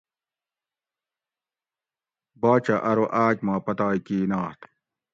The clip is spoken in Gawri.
باچہ ارو آۤک ما پتائی کی نات